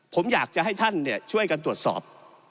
ผมอยากจะให้ท่านช่วยกันตรวจสอบ